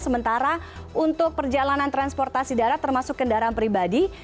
sementara untuk perjalanan transportasi darat termasuk kendaraan pribadi